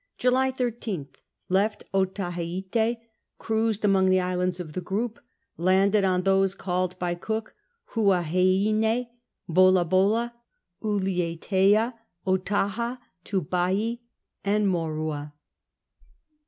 July 13/A. Left Otaheite and cruised among the islands of the group, landing on those called by Cook Huaheine, Bolabola, Ulietea, Otaha, Tubai, and Maurua.